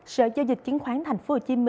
sở giao dịch kiến khoán tp hcm